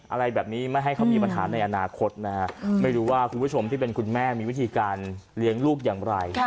อะไรแบบนี้ไม่ให้เขามีปัญหาในอนาคตนะฮะไม่รู้ว่าคุณผู้ชมที่เป็นคุณแม่มีวิธีการเลี้ยงลูกอย่างไร